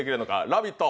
ラヴィット！